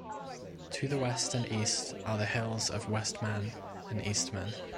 To the west and east are the hills of West Man and East Man.